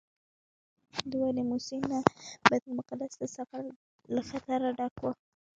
د وادي موسی نه بیت المقدس ته سفر له خطره ډک وو.